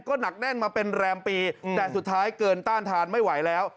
ก็หนักแน่นมาเป็นแรมปีแต่สุดท้ายเกินต้านทานไม่ไหวแล้ว